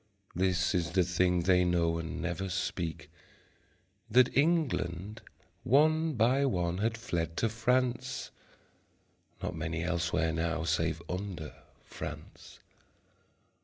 This is the thing they know and never speak, That England one by one had fled to France (Not many elsewhere now save under France).